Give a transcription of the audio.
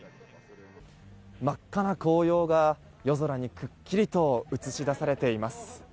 真っ赤な紅葉が、夜空にくっきりと映し出されています。